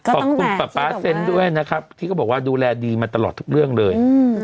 ขอบคุณป๊าป๊าเซนต์ด้วยนะครับที่เขาบอกว่าดูแลดีมาตลอดทุกเรื่องเลย